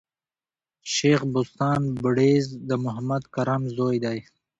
شېخ بُستان بړیځ د محمد کرم زوی دﺉ.